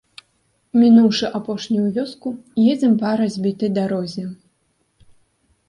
Мінуўшы апошнюю вёску, едзем па разбітай дарозе.